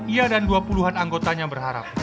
ia dan dua puluh an anggotanya berharap